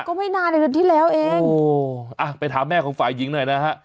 ก็ไม่นานในเดือนที่แล้วเองโอ้อ่ะไปถามแม่ของฝ่ายหญิงหน่อยนะฮะ